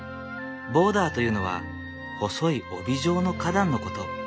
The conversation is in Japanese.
ボーダーというのは細い帯状の花壇のこと。